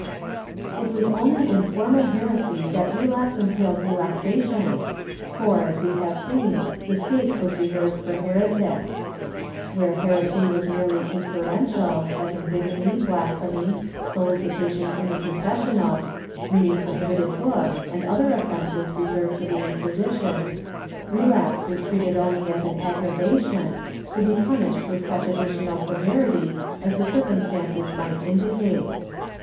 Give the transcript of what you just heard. ^ It was only in formal heresy that relapse entailed relaxation for, as we have seen, the stake was reserved for heretics. Where heresy was merely inferential, as in bigamy, blasphemy, solici tation in the confessional, reading prohibited books, and other offences reserved to the Inquisition, relapse was treated only as an aggravation, to be punished with such additional severity as the circumstances might indicate.